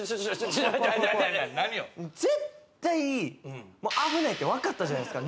絶対危ないって、わかったじゃないですか。